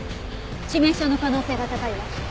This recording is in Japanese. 致命傷の可能性が高いわ。